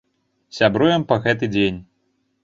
Сябруем па гэты дзень.